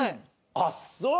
あっそう。